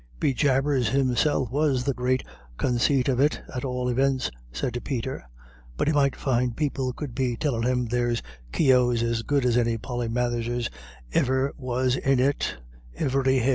"Be jabers, himself has the great consait of it, at all ivents," said Peter. "But he might find people could be tellin' him there's Keoghs as good as any Polymatherses iver was in it ivery hair."